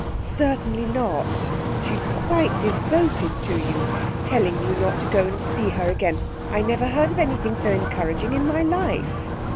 'Certainly not! She's quite devoted to you. Telling you not to go and see her again! I never heard of anything so encouraging in my life.